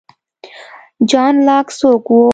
جان لاک څوک و؟